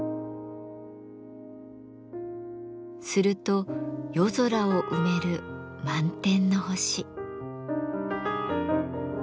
すると夜空を埋める満天の星。